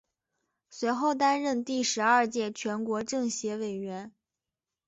随后担任第十二届全国政协委员。